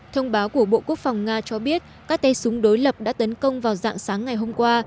thông báo của bộ quốc phòng nga cho biết các tay súng đối lập đã tấn công vào dạng sáng ngày hôm qua